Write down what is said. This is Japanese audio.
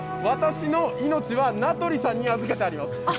私の命は名取さんに預けてあります。